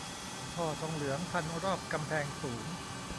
ท่อทองเหลืองพันรอบกำแพงสูง